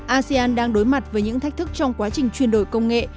asean đang đối mặt với những thách thức trong quá trình chuyển đổi công nghệ